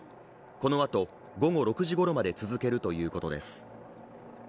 このあと午後６時ごろまで続けるということです。